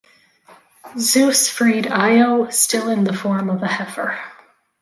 Zeus freed Io, still in the form of a heifer.